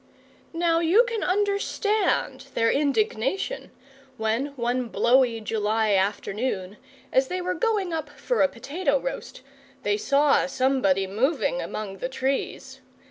Now you can understand their indignation when, one blowy July afternoon, as they were going up for a potato roast, they saw somebody moving among the trees.